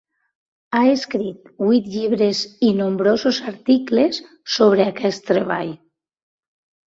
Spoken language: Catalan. Ha escrit vuit llibres i nombrosos articles sobre aquest treball.